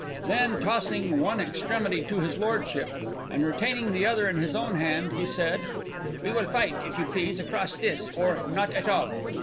Then, tossing one extremity to his lordship, and retaining the other in his own hand, he said: "We will fight, if you please, across this or not at all!"